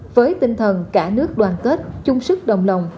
với tinh thần cả nước đoàn kết chung sức đồng lòng